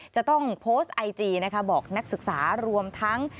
จะต้องโพสต์ไอจีนะคะบอกนักศึกษารวมทั้ง